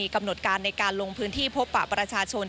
กำหนดการในการลงพื้นที่พบปะประชาชน